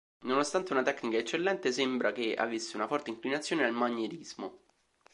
Nonostante una tecnica eccellente, sembra che avesse una forte inclinazione al manierismo.